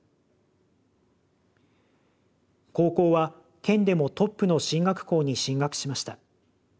高校は県でもトップの進学校に進学しました。